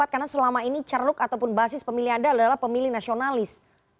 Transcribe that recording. karena selama ini cernuk ataupun basis pemilih anda adalah pemilih nasionalis